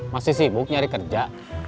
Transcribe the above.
masih sibuk nyari kerja